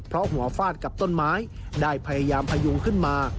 เพราะหัวฟาดกับต้นไม้ได้พยายามพยุงขึ้นมา